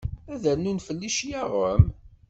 Ad rnun fell-i cclaɣem?